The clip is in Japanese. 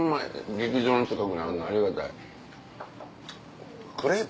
劇場の近くにあるのありがたい。